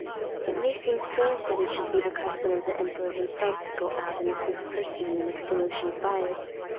It may seem strange that it should be the custom of the emperor himself to go out and assist personally in extinguishing fires.